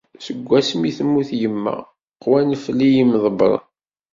Seg wasmi i temmut yemma, qwan fell-i yemḍebbren.